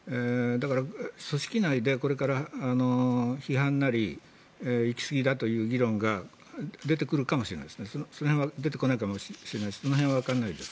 だから組織内でこれから批判なり行き過ぎだという議論が出てくるかもしれないし出てこないかもしれない。